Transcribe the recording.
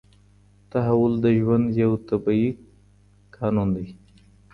تحول د ژوند یو طبیعي قانون دی.